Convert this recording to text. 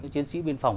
chiến sĩ biên phòng